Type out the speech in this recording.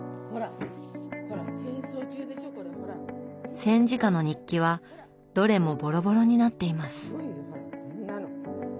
戦時下の日記はどれもボロボロになっています。